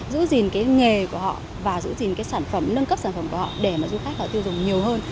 giữ gìn cái nghề của họ và giữ gìn cái sản phẩm nâng cấp sản phẩm của họ để mà du khách họ tiêu dùng nhiều hơn